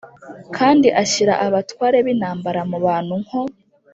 Kandi ashyira abatware b’ intambara mu bantu nko